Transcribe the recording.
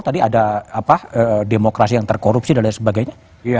tadi ada demokrasi yang terkorupsi dan lain sebagainya